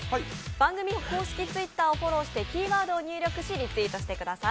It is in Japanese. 番組の公式ツイッターをフォローしキーワードを入力してリツイートしてください。